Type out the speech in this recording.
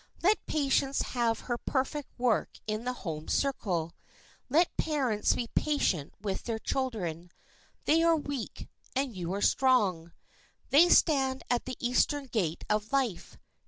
Let patience have her perfect work in the home circle. Let parents be patient with their children. They are weak, and you are strong. They stand at the eastern gate of life.